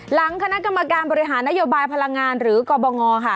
หลังคณะกรรมการบริหารนโยบายพลังงานหรือกรบงค่ะ